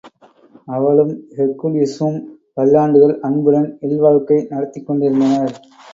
அவளும் ஹெர்க்குலிஸும் பல்லாண்டுகள் அன்புடன் இல் வாழ்க்கை நடத்திக் கொண்டிருந்தனர்.